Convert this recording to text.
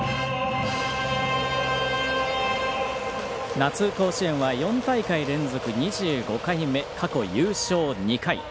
夏、甲子園は４大会連続２５回目、過去優勝２回。